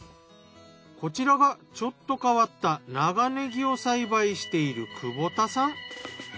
こちらがちょっと変わった長ねぎを栽培している久保田さん。